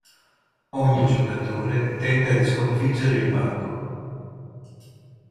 Ogni giocatore tenta di sconfiggere il banco.